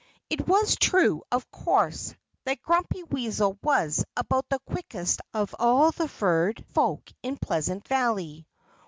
It was true, of course, that Grumpy Weasel was about the quickest of all the furred folk in Pleasant Valley.